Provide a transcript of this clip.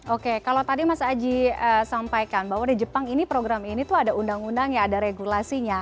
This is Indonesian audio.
oke kalau tadi mas aji sampaikan bahwa di jepang ini program ini tuh ada undang undangnya ada regulasinya